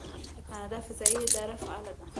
د کاناډا فضایی اداره فعاله ده.